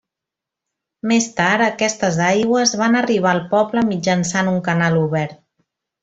Més tard aquestes aigües van arribar al poble mitjançant un canal obert.